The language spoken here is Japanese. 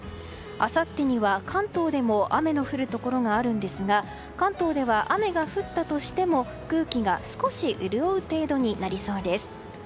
あさってには関東でも雨の降るところがあるんですが関東では雨が降ったとしても空気が少し潤う程度になりそうです。